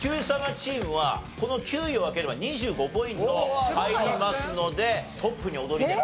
チームはこの９位を開ければ２５ポイント入りますのでトップに躍り出る。